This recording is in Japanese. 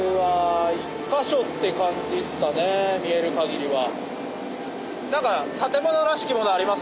見えるかぎりは。